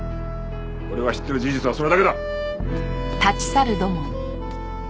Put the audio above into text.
俺が知っている事実はそれだけだ。